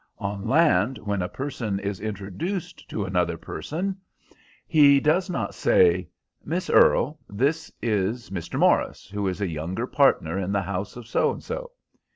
On land, when a person is introduced to another person, he does not say, 'Miss Earle, this is Mr. Morris, who is a younger partner in the house of So and so.